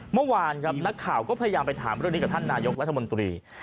เมื่อวานครับนักข่าวก็พยายามไปถามเรื่องนี้กับท่านนายกรัฐมนตรี